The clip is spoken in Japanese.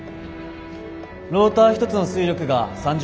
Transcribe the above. ローター１つの推力が３０キロです。